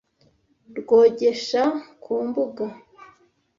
Rwogesha ku mbuga,